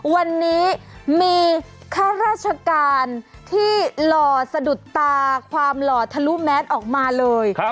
วันนี้มีข้าราชการที่หล่อสะดุดตาความหล่อทะลุแมสออกมาเลย